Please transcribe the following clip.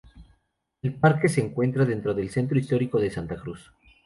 El parque se encuentra dentro del centro histórico de Santa Cruz.